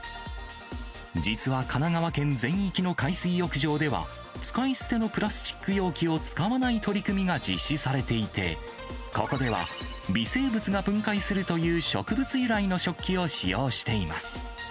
実は神奈川県全域の海水浴場では、使い捨てのプラスチック容器を使わない取り組みが実施されていて、ここでは微生物が分解するという植物由来の食器を使用しています。